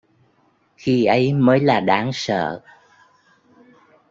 khi ấy mới là đáng sợ